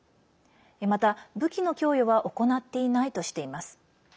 また、武器の供与は行っていないとしています。